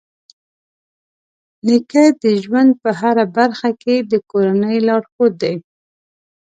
نیکه د ژوند په هره برخه کې د کورنۍ لارښود دی.